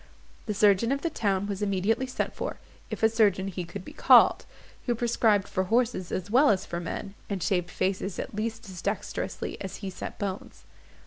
The surgeon of the town was immediately sent for, if a surgeon he could be called, who prescribed for horses as well as for men, and shaved faces at least as dexterously as he set bones.